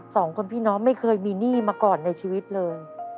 สองคนพี่น้องไม่เคยมีหนี้มาก่อนในชีวิตเลย